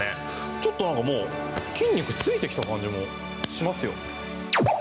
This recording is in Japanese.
ちょっとなんかもう筋肉ついてきた感じもしますよ。